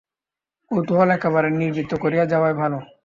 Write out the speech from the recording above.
কৌতূহল একেবারে নিবৃত্ত করিয়া যাওয়াই ভালো।